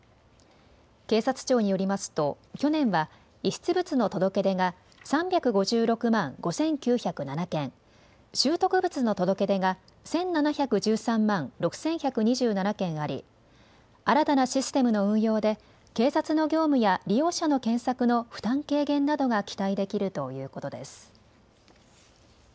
警察庁によりますと去年は遺失物の届け出が３５６万５９０７件、拾得物の届け出が１７１３万６１２７件あり新たなシステムの運用で警察の業務や利用者の検索の負担軽減などが期待できるということです。